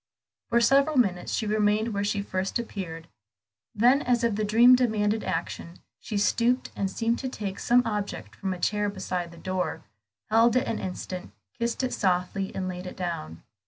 For several minutes she remained where she first appeared. Then, as if the dream demanded action, she stooped, and seemed to take some object from a chair beside the door, held it an instant, kissed it softly and laid it down.